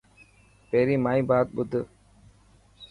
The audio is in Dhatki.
پهرين مائي بات ٻڌ.